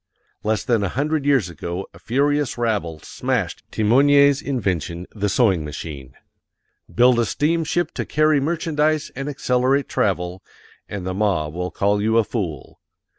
Less than a hundred years ago a furious rabble smashed Thimonier's invention, the sewing machine. BUILD A STEAMSHIP TO CARRY MERCHANDISE AND ACCELERATE TRAVEL and the mob will call you a fool.